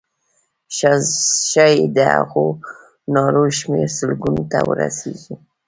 ښایي د هغو نارو شمېر سلګونو ته ورسیږي.